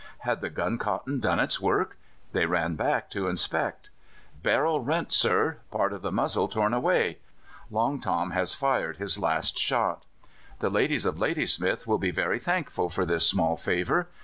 "Had the gun cotton done its work?" They ran back to inspect. "Barrel rent, sir; part of the muzzle torn away." Long Tom has fired his last shot. The ladies of Ladysmith will be very thankful for this small favour.